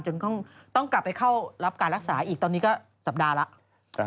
ต้องกลับไปเข้ารับการรักษาอีกตอนนี้ก็สัปดาห์แล้ว